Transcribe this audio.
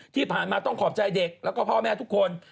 ที่ผ่านมาต้องขอบใจเด็กแล้วก็พ่อแม่ทุกคน